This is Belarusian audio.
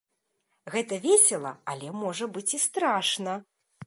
Гэта весела, але можа быць і страшна.